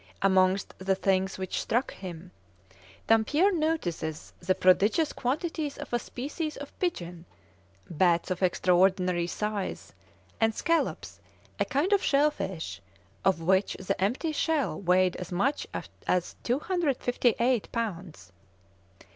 Amongst the things which struck him, Dampier notices the prodigious quantities of a species of pigeon, bats of extraordinary size, and scallops, a kind of shell fish, of which the empty shell weighed as much as 258 lbs.